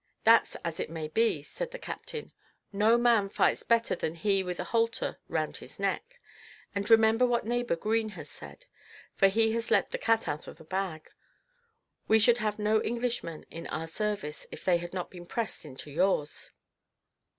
"That's as it may be," said the captain; "no man fights better than he with a halter round his neck: and remember what neighbour Green has said, for he has 'let the cat out of the bag:' we should have no Englishmen in our service, if they had not been pressed into yours."